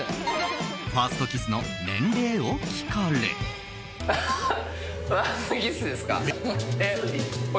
ファーストキスの年齢を聞かれ。